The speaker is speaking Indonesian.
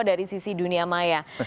dari sisi dunia maya